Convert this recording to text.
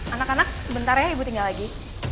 anak anak sebentar ya ibu tinggal lagi